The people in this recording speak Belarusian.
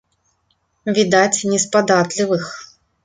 Відаць, не з падатлівых.